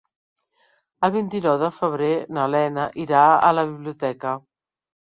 El vint-i-nou de febrer na Lena irà a la biblioteca.